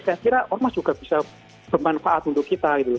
saya kira ormas juga bisa bermanfaat untuk kita gitu